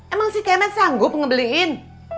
emang si kemen sanggup ngebelihin